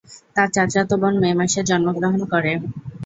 তার চাচাতো বোন মে মাসে জন্মগ্রহণ করে।